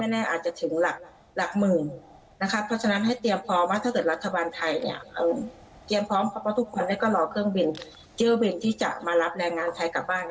อาจจะถึงหลักหมื่นนะคะเพราะฉะนั้นให้เตรียมพร้อมว่าถ้าเกิดรัฐบาลไทยเนี่ยเตรียมพร้อมเพราะว่าทุกคนก็รอเครื่องบินเจอร์บินที่จะมารับแรงงานไทยกลับบ้าน